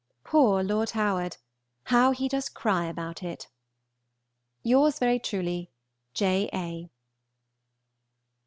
Poor Lord Howard! How he does cry about it! Yours very truly, J. A.